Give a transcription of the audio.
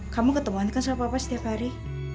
kamu ketemuan kan sama papa setiap hari